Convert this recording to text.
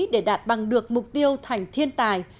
để đạt bằng được mục tiêu thành thiên tài